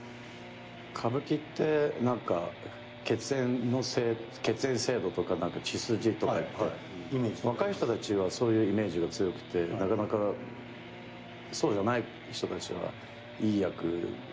歌舞伎って何か血縁制度とか血筋とかって若い人たちはそういうイメージが強くてなかなかそうじゃない人たちはいい役もらえないみたいな。